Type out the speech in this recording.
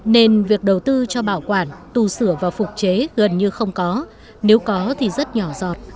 nên việc đầu tư cho bảo quản tu sửa và phục chế gần như không có nếu có thì rất nhỏ giọt